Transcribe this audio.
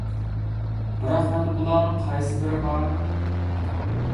بىراق مەندە بۇلارنىڭ قايسى بىرى بار؟ !